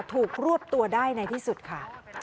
ถูกรวบตัวได้ในที่สุดค่ะ